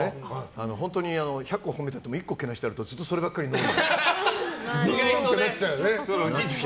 本当に１００個褒めてあっても１個けなしてあるとずっとそればっかり脳に。